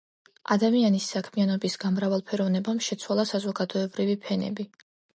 ადამიანის საქმიანობის გამრავალფეროვნებამ შეცვალა საზოგადოებრივი ფენები